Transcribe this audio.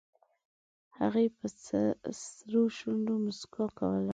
هغې په سرو شونډو موسکا کوله